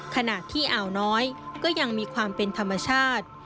ขณะที่อ่าวน้อยก็ยังมีความเป็นธรรมชาติ